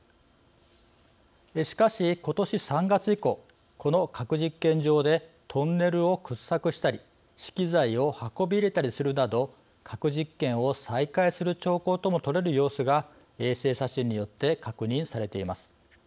しかし、ことし３月以降この核実験場でトンネルを掘削したり資機材を運び入れたりするなど核実験を再開する兆候とも取れる様子が、衛星写真によって確認されています。